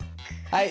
はい。